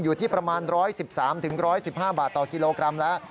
อยู่ที่ประมาณ๑๑๓๑๑๕บาทต่อกิโลกรัมแล้ว